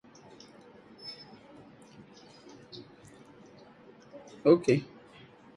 The clothes you wear can significantly impact how you are perceived by others.